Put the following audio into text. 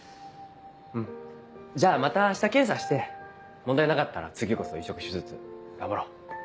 うんじゃあまた明日検査して問題なかったら次こそ移植手術頑張ろう。